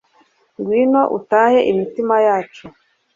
ngwino utahe imitima yacu